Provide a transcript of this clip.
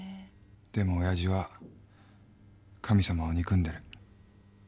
でも親父は神様を憎んでる。